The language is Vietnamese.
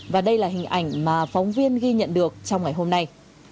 và đây là hình ảnh mà phóng viên ghi nhận được trong ngày hôm nay